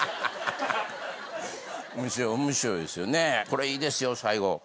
これいいですよ最後。